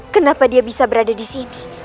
kenapa dia bisa berada di sini